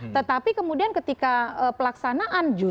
tetapi kemudian ketika pelaksanaan